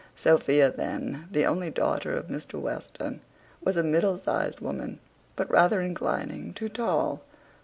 Sophia, then, the only daughter of Mr Western, was a middle sized woman; but rather inclining to tall.